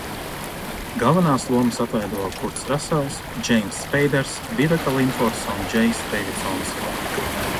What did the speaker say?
Galvenās lomas atveido Kurts Rasels, Džeimss Speiders, Viveka Lindforsa un Džejs Deividsons.